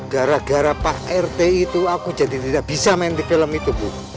gara gara pak rt itu aku jadi tidak bisa main di film itu bu